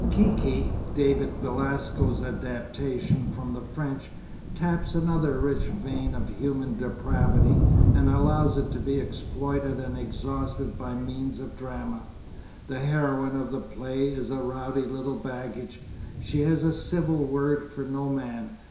Kiki, David Belasco's adaptation from the French, taps another rich vein of human depravity and allows it to be exploited and exhausted by means of drama. The heroine of the play is a rowdy little baggage. She has a civil word for no man.